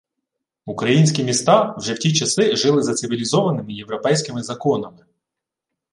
Українські міста вже в ті часи жили за цивілізованими європейськими законами